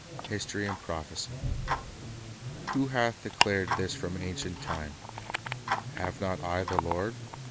History and Prophecy 'who hath declared THIS FROM ANCIENT TIME? HAVE NOT I THE LORD?